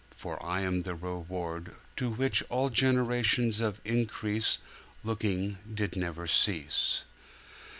for I am the Reward To which all generations of increase Looking did never cease.